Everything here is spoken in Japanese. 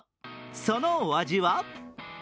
そのお味は？